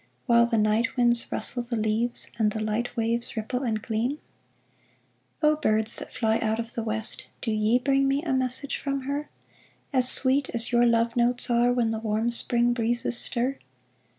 While the night winds rustle the leaves, And the light waves ripple and gleam ? O WIND THAT BLOWS OUT OF THE WEST " 341 O birds that fly out of the West, Do ye bring me a message from her, As sweet as your love notes are. When the warm spring breezes stir